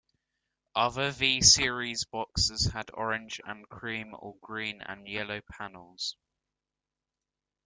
Other V-series boxes had orange and cream or green and yellow panels.